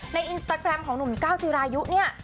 อินสตาแกรมของหนุ่มก้าวจิรายุเนี่ย